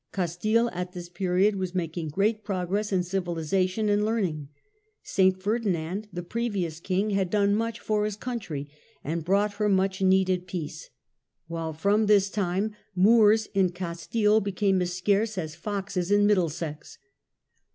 Castile at this period was making great progress in civilisation and learning ; St. Ferdinand, the previous King, had done much for his country and brought her much needed peace : while from his time, " Moors in Castile became as scarce as foxes in Middlesex